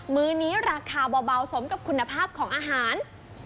มือนี้ราคาเบาสมกับคุณภาพของอาหาร